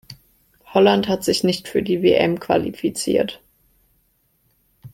Holland hat sich nicht für die WM qualifiziert.